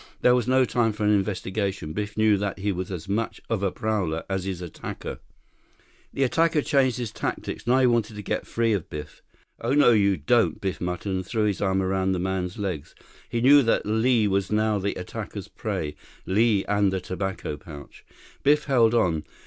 This was no time for an investigation. Biff knew that he was as much of a prowler as his attacker. 43 The attacker changed his tactics. Now he wanted to get free of Biff. "Oh, no, you don't," Biff muttered, and threw his arms around the man's legs. He knew that Li was now the attacker's prey. Li and the tobacco pouch. Biff held on.